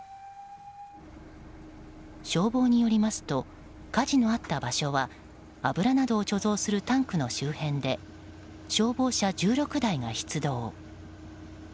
消防によりますと火事のあった場所は油などを貯蔵するタンクの周辺で消防車１６台が出動。